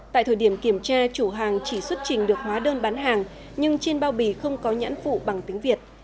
tại thời điểm kiểm tra chủ hàng chỉ xuất trình được hóa đơn bán hàng nhưng trên bao bì không có nhãn phụ bằng tiếng việt